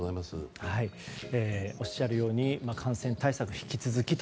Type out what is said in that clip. おっしゃるように感染対策引き続きと。